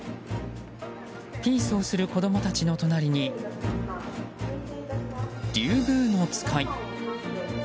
ピースをする子供たちの隣にリュウグウノツカイ。